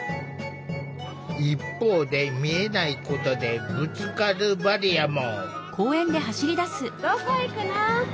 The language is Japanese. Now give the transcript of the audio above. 一方で見えないことでぶつかるバリアも。